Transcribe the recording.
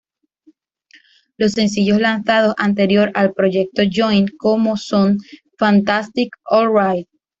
Los sencillos lanzados anterior al proyecto ""join"" como son ""Fantastic"", ""Alright!